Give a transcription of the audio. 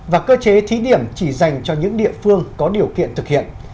và cơ chế thí điểm chỉ dành cho những địa phương có điều kiện thực hiện